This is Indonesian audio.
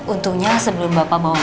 untungnya sebelum bapak mau